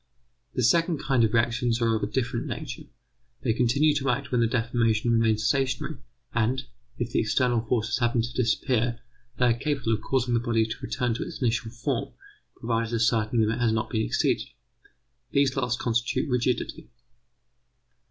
The second kind of reactions are of a different nature. They continue to act when the deformation remains stationary, and, if the external forces happen to disappear, they are capable of causing the body to return to its initial form, provided a certain limit has not been exceeded. These last constitute rigidity.